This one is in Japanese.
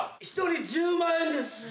一人１０万円です。